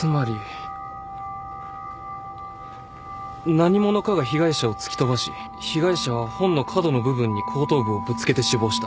何者かが被害者を突き飛ばし被害者は本の角の部分に後頭部をぶつけて死亡した。